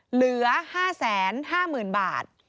เหลือ๕๕๐๐๐บาท